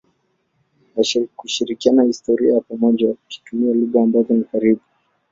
na kushirikiana historia ya pamoja wakitumia lugha ambazo ni karibu.